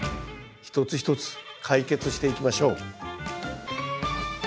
一つ一つ解決していきましょう。